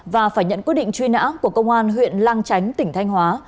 và phải nhận quyết định truy nã của công an huyện lang chánh tỉnh thanh hóa